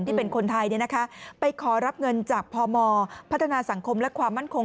ที่เป็นคนไทยไปขอรับเงินจากพมพัฒนาสังคมและความมั่นคง